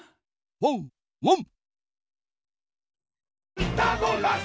ワンワン！